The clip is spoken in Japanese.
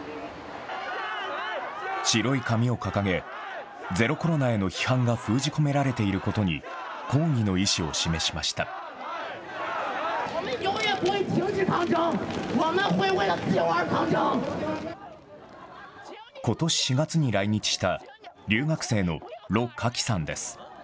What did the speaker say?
白い紙を掲げ、ゼロコロナへの批判が封じ込められていることに抗議の意思を示しました。